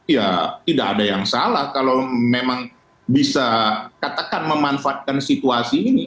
ya tidak ada yang salah kalau memang bisa katakan memanfaatkan situasi ini